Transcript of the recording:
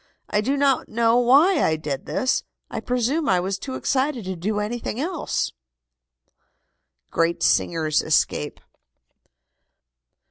I do not know why I did this. I presume I was too excited to do anything else." GREAT SINGERS ESCAPE.